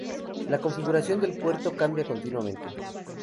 La configuración del puerto cambia continuamente.